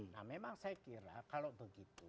nah memang saya kira kalau begitu